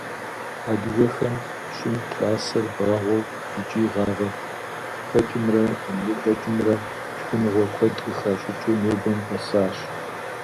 Адыгэхэм щӀым трасэр багъуэу иӀки гъавэ хэкӀымрэ лы хэкӀымрэ шхыныгъуэ куэд къыхащӀыкӀыу нобэм къэсащ.